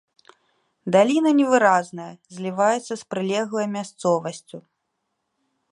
Даліна невыразная, зліваецца з прылеглай мясцовасцю.